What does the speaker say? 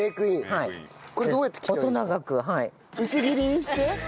薄切りにして。